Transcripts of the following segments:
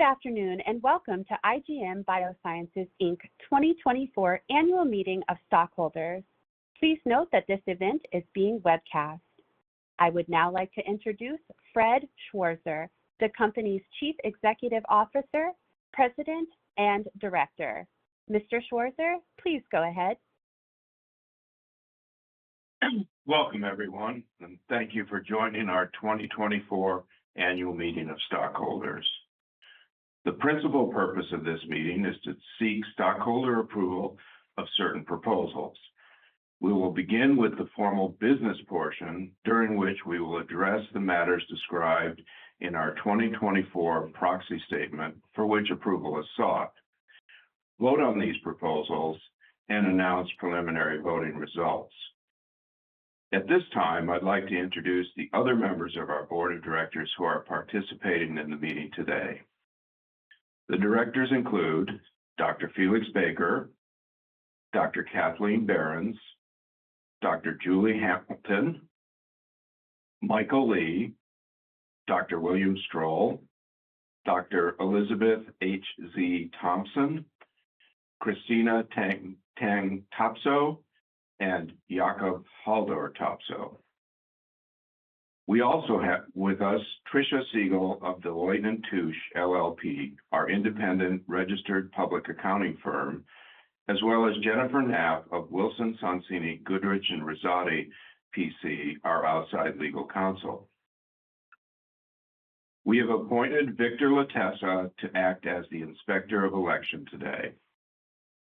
Good afternoon, and welcome to IGM Biosciences, Inc. 2024 Annual Meeting of Stockholders. Please note that this event is being webcast. I would now like to introduce Fred Schwarzer, the company's Chief Executive Officer, President, and Director. Mr. Schwarzer, please go ahead. Welcome, everyone, and thank you for joining our 2024 Annual Meeting of Stockholders. The principal purpose of this meeting is to seek stockholder approval of certain proposals. We will begin with the formal business portion, during which we will address the matters described in our 2024 proxy statement for which approval is sought, vote on these proposals, and announce preliminary voting results. At this time, I'd like to introduce the other members of our board of directors who are participating in the meeting today. The directors include Dr. Felix Baker, Dr. Kathleen Behrens, Dr. Julie Hambleton, Michael Lee, Dr. William Strohl, Dr. Elizabeth H.Z. Thompson, Christina Teng Topsøe. We also have with us Tricia Siegel of Deloitte & Touche, LLP, our independent registered public accounting firm, as well as Jennifer Knapp of Wilson Sonsini Goodrich & Rosati, P.C., our outside legal counsel. We have appointed Victor Latessa to act as the Inspector of Election today.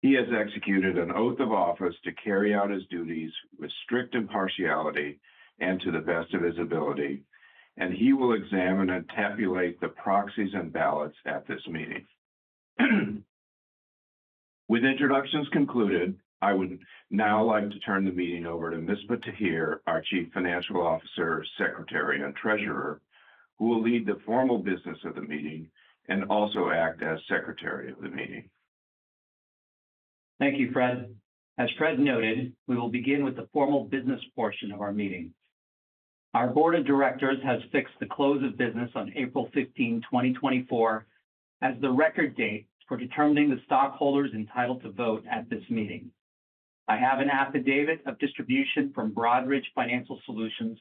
He has executed an oath of office to carry out his duties with strict impartiality and to the best of his ability, and he will examine and tabulate the proxies and ballots at this meeting. With introductions concluded, I would now like to turn the meeting over to Misbah Tahir, our Chief Financial Officer, Secretary, and Treasurer, who will lead the formal business of the meeting and also act as Secretary of the meeting. Thank you, Fred. As Fred noted, we will begin with the formal business portion of our meeting. Our board of directors has fixed the close of business on April 15, 2024, as the record date for determining the stockholders entitled to vote at this meeting. I have an affidavit of distribution from Broadridge Financial Solutions,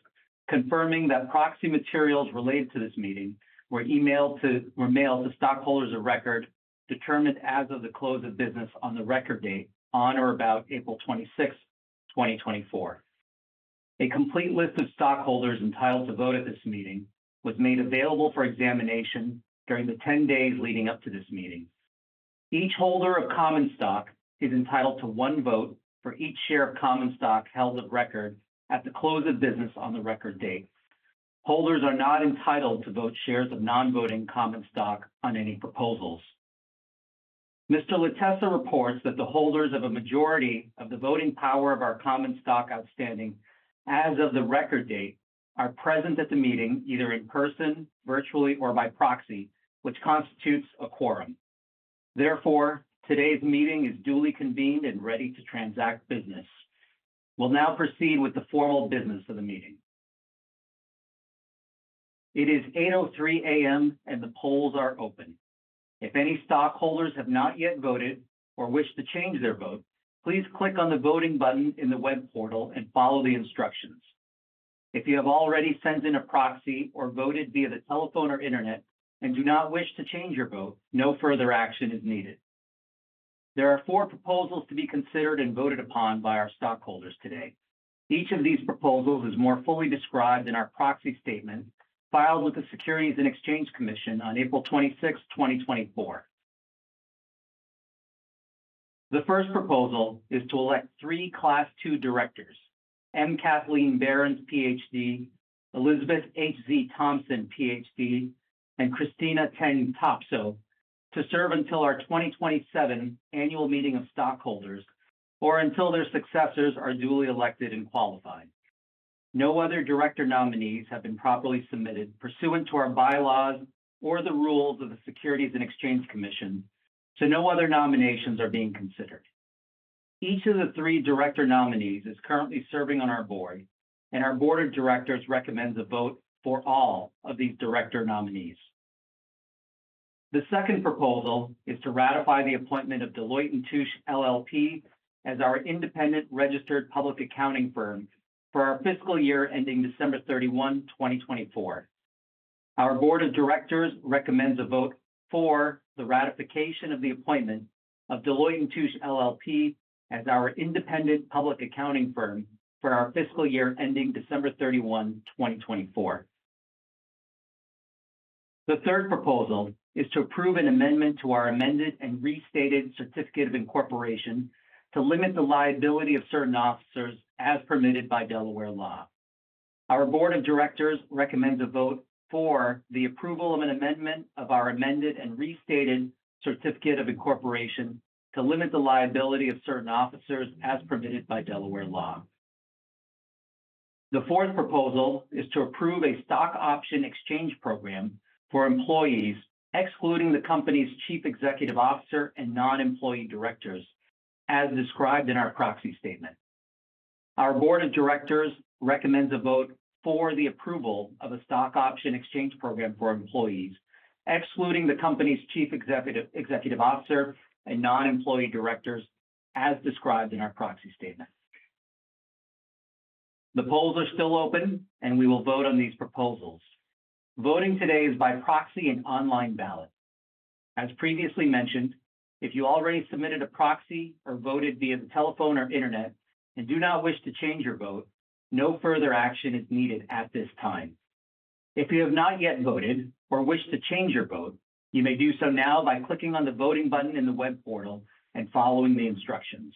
confirming that proxy materials related to this meeting were mailed to stockholders of record, determined as of the close of business on the record date, on or about April 26th, 2024. A complete list of stockholders entitled to vote at this meeting was made available for examination during the 10 days leading up to this meeting. Each holder of common stock is entitled to one vote for each share of common stock held at record at the close of business on the record date. Holders are not entitled to vote shares of non-voting common stock on any proposals. Mr. Latessa reports that the holders of a majority of the voting power of our common stock outstanding, as of the record date, are present at the meeting, either in person, virtually, or by proxy, which constitutes a quorum. Therefore, today's meeting is duly convened and ready to transact business. We'll now proceed with the formal business of the meeting. It is 8:03 A.M., and the polls are open. If any stockholders have not yet voted or wish to change their vote, please click on the voting button in the web portal and follow the instructions. If you have already sent in a proxy or voted via the telephone or internet and do not wish to change their vote, no further action is needed. There are four proposals to be considered and voted upon by our stockholders today. Each of these proposals is more fully described in our proxy statement, filed with the Securities and Exchange Commission on April 26, 2024. The first proposal is to elect three Class Two directors, M. Kathleen Behrens, Ph.D., Elizabeth H.Z. Thompson, Ph.D., and Christina Teng Topsøe, to serve until our 2027 Annual Meeting of Stockholders or until their successors are duly elected and qualified. No other director nominees have been properly submitted pursuant to our bylaws or the rules of the Securities and Exchange Commission, so no other nominations are being considered. Each of the three director nominees is currently serving on our board, and our board of directors recommends a vote for all of these director nominees. The second proposal is to ratify the appointment of Deloitte & Touche, LLP, as our independent registered public accounting firm for our fiscal year ending December 31, 2024. Our board of directors recommends a vote for the ratification of the appointment of Deloitte & Touche, LLP, as our independent public accounting firm for our fiscal year ending December 31, 2024. The third proposal is to approve an amendment to our amended and restated certificate of incorporation to limit the liability of certain officers as permitted by Delaware law. Our board of directors recommends a vote for the approval of an amendment of our amended and restated certificate of incorporation to limit the liability of certain officers as permitted by Delaware law. The fourth proposal is to approve a stock option exchange program for employees, excluding the company's Chief Executive Officer and non-employee directors, as described in our proxy statement. Our Board of Directors recommends a vote for the approval of a stock option exchange program for employees, excluding the company's chief executive, executive officer, and non-employee directors, as described in our proxy statement. The polls are still open, and we will vote on these proposals. Voting today is by proxy and online ballot. As previously mentioned, if you already submitted a proxy or voted via the telephone or internet, and do not wish to change your vote, no further action is needed at this time. If you have not yet voted or wish to change your vote, you may do so now by clicking on the voting button in the web portal and following the instructions.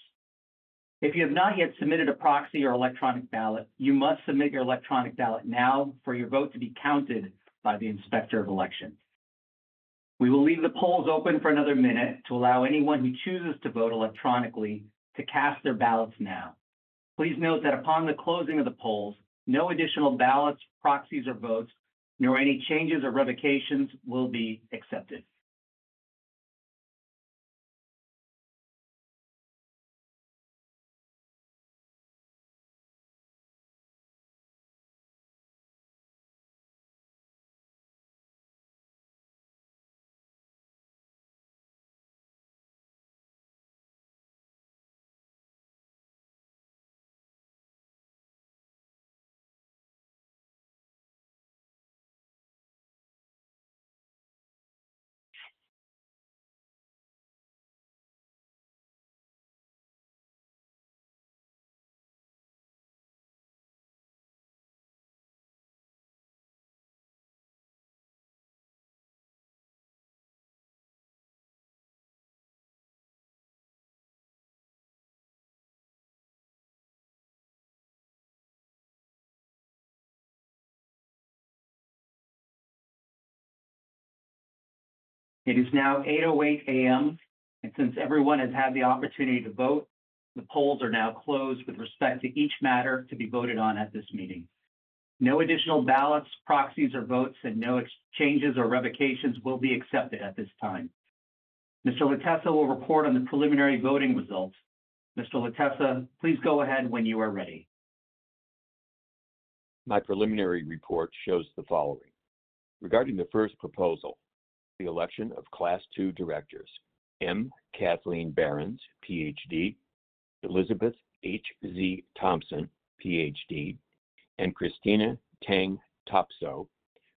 If you have not yet submitted a proxy or electronic ballot, you must submit your electronic ballot now for your vote to be counted by the Inspector of Election. We will leave the polls open for another minute to allow anyone who chooses to vote electronically to cast their ballots now. Please note that upon the closing of the polls, no additional ballots, proxies, or votes, nor any changes or revocations will be accepted. It is now 8:08 A.M., and since everyone has had the opportunity to vote, the polls are now closed with respect to each matter to be voted on at this meeting. No additional ballots, proxies, or votes, and no exchanges or revocations will be accepted at this time. Mr. Latessa will report on the preliminary voting results. Mr. Latessa, please go ahead when you are ready. My preliminary report shows the following: regarding the first proposal, the election of Class Two directors, M. Kathleen Behrens, Ph.D., Elizabeth H.Z. Thompson, Ph.D., and Christina Teng Topsøe,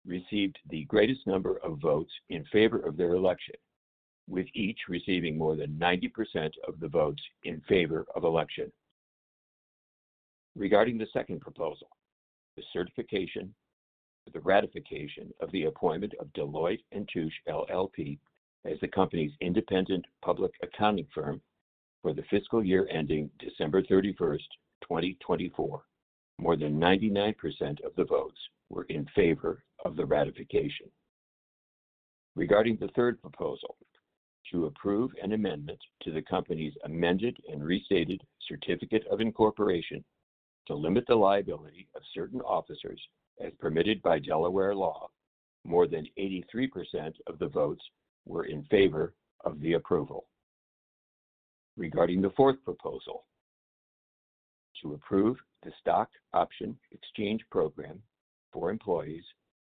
received the greatest number of votes in favor of their election, with each receiving more than 90% of the votes in favor of election. Regarding the second proposal, the ratification of the appointment of Deloitte & Touche, LLP, as the company's independent public accounting firm for the fiscal year ending December 31, 2024, more than 99% of the votes were in favor of the ratification. Regarding the third proposal, to approve an amendment to the company's amended and restated certificate of incorporation to limit the liability of certain officers as permitted by Delaware law, more than 83% of the votes were in favor of the approval. Regarding the fourth proposal, to approve the stock option exchange program for employees,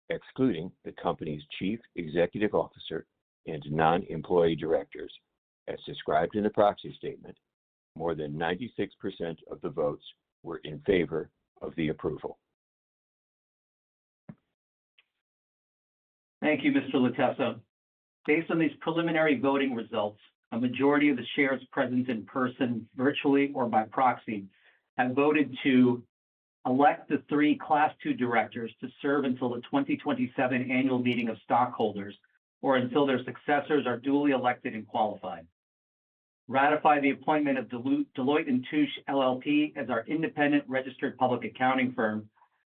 excluding the company's Chief Executive Officer and non-employee directors, as described in the proxy statement, more than 96% of the votes were in favor of the approval. Thank you, Mr. Latessa. Based on these preliminary voting results, a majority of the shares present in person, virtually or by proxy, have voted to elect the three Class Two directors to serve until the 2027 annual meeting of stockholders, or until their successors are duly elected and qualified. Ratify the appointment of Deloitte & Touche, LLP, as our independent registered public accounting firm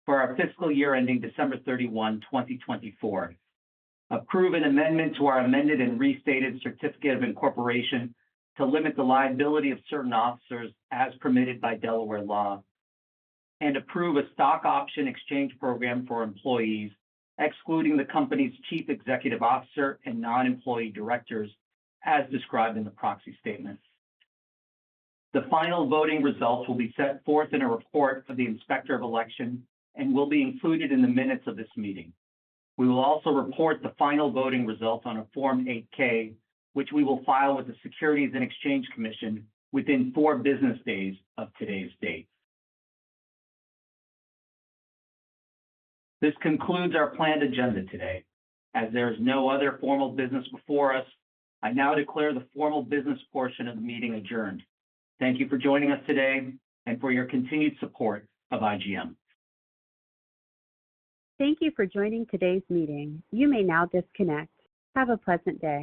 for our fiscal year ending December 31, 2024. Approve an amendment to our amended and restated certificate of incorporation to limit the liability of certain officers as permitted by Delaware law, and approve a stock option exchange program for employees, excluding the company's Chief Executive Officer and non-employee directors, as described in the proxy statement. The final voting results will be set forth in a report for the Inspector of Election and will be included in the minutes of this meeting. We will also report the final voting results on a Form 8-K, which we will file with the Securities and Exchange Commission within four business days of today's date. This concludes our planned agenda today. As there is no other formal business before us, I now declare the formal business portion of the meeting adjourned. Thank you for joining us today and for your continued support of IGM. Thank you for joining today's meeting. You may now disconnect. Have a pleasant day.